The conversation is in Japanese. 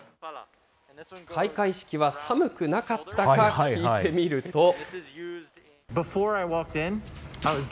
開会式は寒くなかったか聞いてみると。